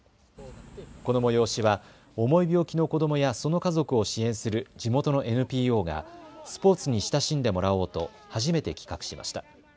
この催しは重い病気の子どもやその家族を支援する地元のＮＰＯがスポーツに親しんでもらおうと初めて企画しました。